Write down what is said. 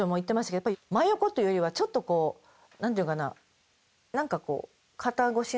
やっぱり真横というよりはちょっとこう何ていうのかな